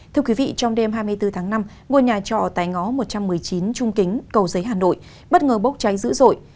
thưa quý vị trong đêm hai mươi bốn tháng năm ngôi nhà trọ tại ngõ một trăm một mươi chín trung kính cầu giấy hà nội bất ngờ bốc cháy dữ dội